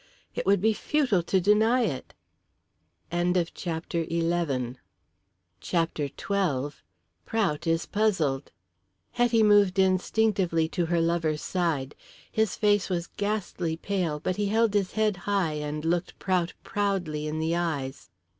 It would be futile to deny it." CHAPTER XII. PROUT IS PUZZLED. Hetty moved instinctively to her lover's side. His face was ghastly pale, but he held his head high and looked Prout proudly in the eyes.